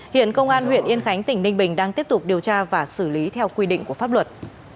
hiện công an huyện yên khánh tỉnh ninh bình đang tiếp tục điều tra và xử lý theo quy định của pháp luật